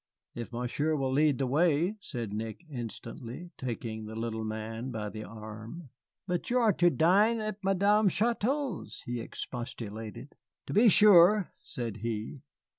"If Monsieur will lead the way," said Nick, instantly, taking the little man by the arm. "But you are to dine at Madame Chouteau's," I expostulated. "To be sure," said he.